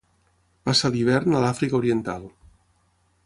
Passa l'hivern a l'Àfrica Oriental.